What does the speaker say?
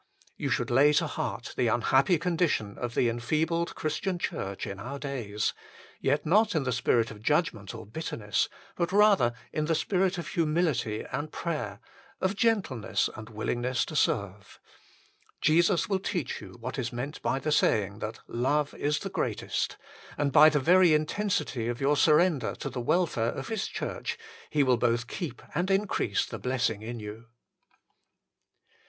You should lay to heart the unhappy condition of the en feebled Christian Church in our days, yet not in the spirit of judgment or bitterness, but rather in the spirit of humility and prayer, of gentleness and willingness to serve. Jesus will teach you what is meant by the saying that " love is the greatest "; l and by the very intensity of your surrender to the welfare of His Church He will both keep and increase the blessing in you.